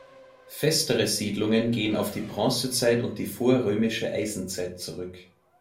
Festere Siedlungen gehen auf die Bronzezeit und die vorrömische Eisenzeit zurück.